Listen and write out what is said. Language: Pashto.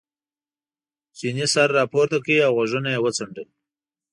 چیني سر را پورته کړ او غوږونه یې وڅنډل.